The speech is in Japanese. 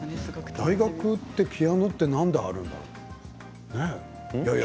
大学でピアノって何台あるんだろう。